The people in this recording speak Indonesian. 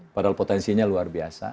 padahal potensinya luar biasa